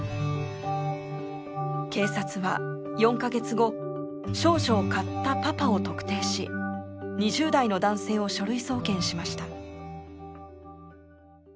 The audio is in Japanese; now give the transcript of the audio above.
警察は４カ月後少女を買ったパパを特定し２０代の男性を書類送検しました。